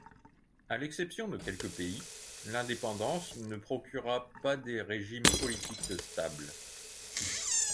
À l'exception de quelques pays, l'indépendance ne procura pas des régimes politiques stables.